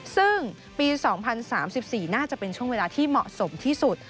ซึ่งปี๒๐๓๔น่าจะเป็นช่วงเวลาที่เหมาะสมที่สุด